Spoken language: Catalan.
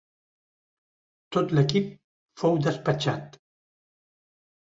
Tot l’equip fou despatxat.